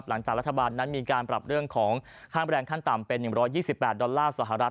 หลังจากรัฐบาลนั้นมีการปรับเรื่องของค่าแรงขั้นต่ำเป็น๑๒๘ดอลลาร์สหรัฐ